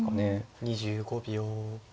２５秒。